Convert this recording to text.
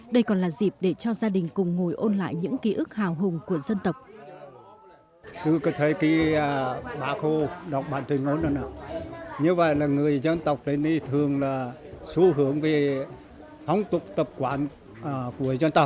đây còn là dịp để cho gia đình cùng ngồi ôn lại những ký ức hào hùng của dân tộc